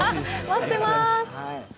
待ってまーす。